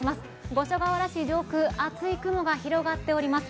五所川原市、上空厚い雲が広がっております。